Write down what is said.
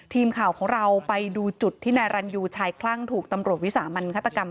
ทีมข่าวของเราไปดูจุดที่นายรันยูชายคลั่งถูกตำรวจวิสามันฆาตกรรม